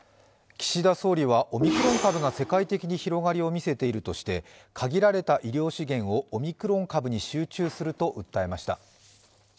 岸田総理は、オミクロン株が世界的に広がりを見せているとして限られた医療資源をオミクロン株に集中すると訴えました。